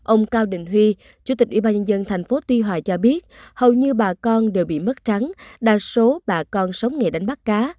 ông cao đình huy chủ tịch ủy ban nhân dân thành phố tuy hòa cho biết hầu như bà con đều bị mất trắng đa số bà con sống nghề đánh bắt cá